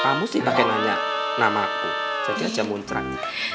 kamu sih pake nanya nama aku jadi aja muntranya